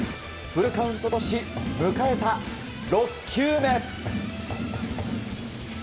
フルカウントとし迎えた６球目。